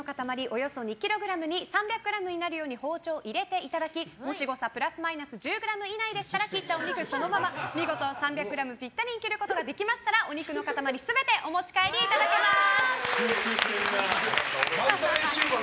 およそ２ｋｇに３００ｇになるように包丁を入れていただきもし誤差プラスマイナス１０ｇ以内でしたら切ったお肉をそのまま見事３００ｇぴったりに切ることができればお肉の塊全てお持ち帰りいただけます。